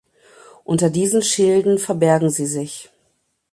Unter diesen Schilden verbergen sie sich.